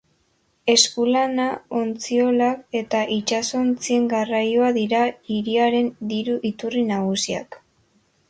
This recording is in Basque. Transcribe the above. Eskulana, ontziolak eta itsasontzien garraioa dira hiriaren diru-iturri nagusiak.